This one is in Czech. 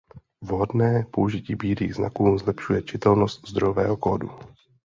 Vhodné použití bílých znaků zlepšuje čitelnost zdrojového kódu.